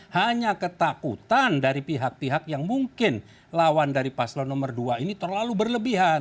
hanya ketakutan dari pihak pihak yang mungkin lawan dari paslon nomor dua ini terlalu berlebihan